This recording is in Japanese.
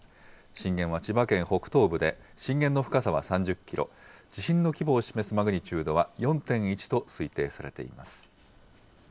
震源は千葉県北東部で、震源の深さは３０キロ、地震の規模を示すマグニチュードは４．１と推定されています。